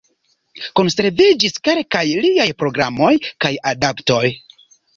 Konserviĝis kelkaj liaj programoj kaj adaptoj.